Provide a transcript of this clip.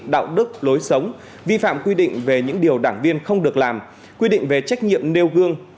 đạo đức lối sống vi phạm quy định về những điều đảng viên không được làm quy định về trách nhiệm nêu gương